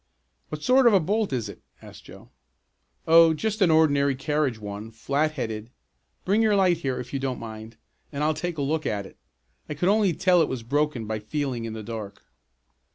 "What sort of a bolt is it?" asked Joe. "Oh, just an ordinary carriage one, flat headed. Bring your light here, if you don't mind, and I'll take a look at it. I could only tell it was broken by feeling in the dark."